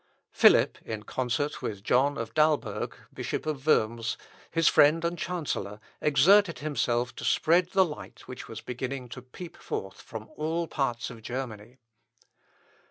Philip, in concert with John of Dalberg, Bishop of Worms, his friend and chancellor, exerted himself to spread the light which was beginning to peep forth from all parts of Germany.